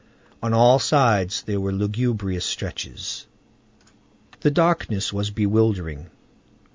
On all sides there were lugubrious stretches. The darkness was bewildering.